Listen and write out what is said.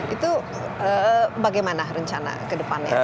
itu bagaimana rencana kedepannya